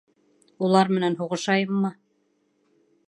Улар менән һуғышайыммы?